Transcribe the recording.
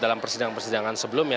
dalam persidangan persidangan sebelumnya